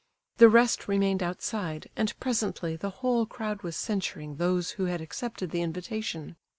The rest remained outside, and presently the whole crowd was censuring those who had accepted the invitation.